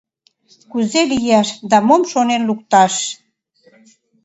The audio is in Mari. Кузе лияш да мом шонен лукташ?